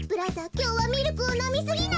きょうはミルクをのみすぎないでね。